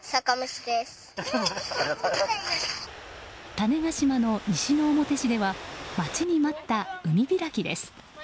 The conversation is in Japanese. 種子島の西之表市では待ちに待った海開きです。